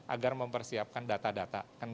agar mempersiapkan data data